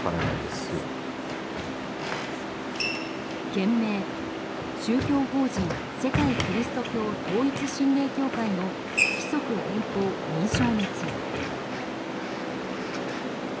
件名「宗教法人・世界基督教統一神霊協会の規則変更認証について」。